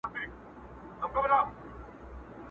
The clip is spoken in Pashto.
اوس ماشومان له تاریخونو سره لوبي کوي؛